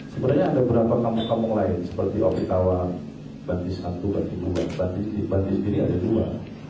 sebenarnya ada beberapa kampung kampung lain seperti opitawa bandis satu bandis dua bandis tiga bandis ini ada dua